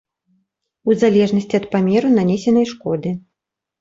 У залежнасці ад памеру нанесенай шкоды.